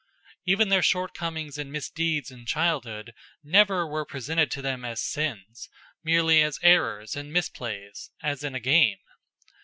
Even their shortcomings and misdeeds in childhood never were presented to them as sins; merely as errors and misplays as in a game.